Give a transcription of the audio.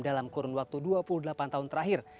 dalam kurun waktu dua puluh delapan tahun terakhir